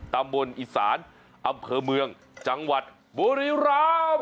ตำบลอีสานอำเภอเมืองจังหวัดบุรีรำ